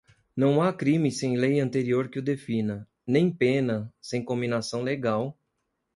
não há crime sem lei anterior que o defina, nem pena sem cominação legal